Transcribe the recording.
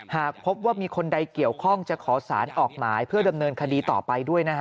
หากพบว่ามีคนใดเกี่ยวข้องจะขอสารออกหมายเพื่อดำเนินคดีต่อไปด้วยนะฮะ